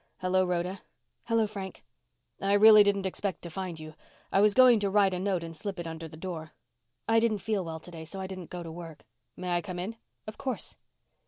"Hello, Rhoda." "Hello, Frank." "I really didn't expect to find you. I was going to write a note and slip it under the door." "I didn't feel well today so I didn't go to work." "May I come in?" "Of course."